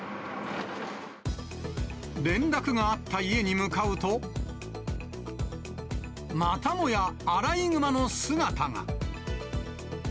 連絡があった家に向かうと、またもやアライグマの姿が。